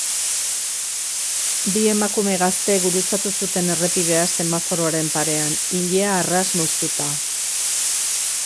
Bi emakume gaztek gurutzatu zuten errepidea semaforoaren parean, ilea arras moztuta.